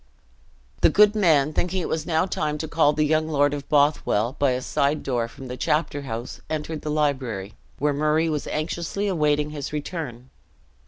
The good man, thinking it was now time to call the young lord of Bothwell, by a side door from the chapter house entered the library, where Murray was anxiously awaiting his return.